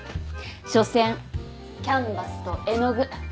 しょせんキャンバスと絵の具。